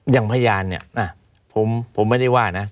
อย่างพยานเนี่ยผมไม่ได้ว่านะ